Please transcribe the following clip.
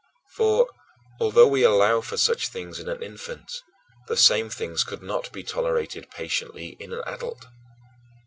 For, although we allow for such things in an infant, the same things could not be tolerated patiently in an adult.